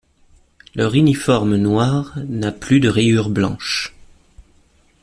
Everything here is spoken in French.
Leur uniforme noir n'a plus de rayures blanches.